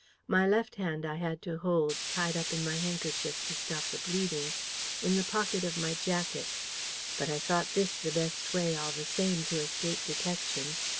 My left hand I had to hold, tied up in my handkerchief to stop the bleeding, in the pocket of my jacket: but I thought this the best way, all the same, to escape detection.